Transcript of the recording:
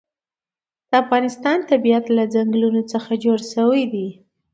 د افغانستان طبیعت له ځنګلونه څخه جوړ شوی دی.